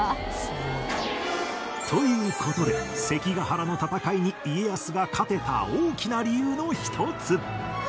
という事で関ヶ原の戦いに家康が勝てた大きな理由の一つ